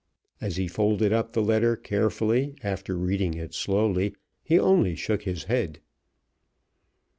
As he folded up the letter carefully after reading it slowly, he only shook his head.